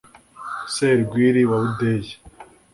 Serwiri wa Budeyi